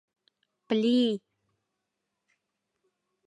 Пли-и!..